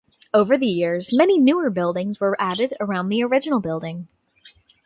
Over the years many newer buildings were added around the original building.